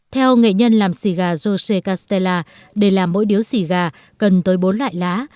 theo nghệ nhân làm xì gà jose castella để làm mỗi điếu xì gà cần tới bốn loại lá